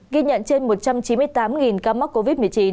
ghi nhận trên một trăm chín mươi tám ca mắc covid một mươi chín